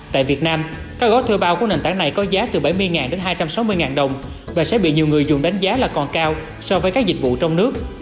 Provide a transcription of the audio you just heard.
tại việt nam các gói thuê bao của nền tảng này có giá từ bảy mươi đến hai trăm sáu mươi đồng và sẽ bị nhiều người dùng đánh giá là còn cao so với các dịch vụ trong nước